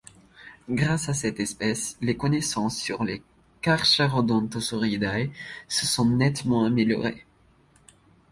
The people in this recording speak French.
Grâce à cette espèce, les connaissances sur les Carcharodontosauridae se sont nettement améliorées.